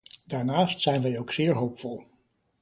Daarnaast zijn wij ook zeer hoopvol.